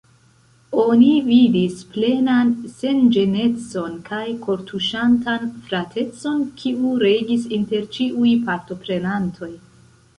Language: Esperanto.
Oni vidis plenan senĝenecon kaj kortuŝantan fratecon, kiu regis inter ĉiuj partoprenantoj.